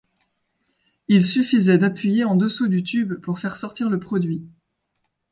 Il suffisait d'appuyer en dessous du tube pour faire sortir le produit.